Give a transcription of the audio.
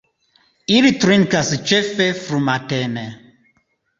Ili trinkas ĉefe frumatene.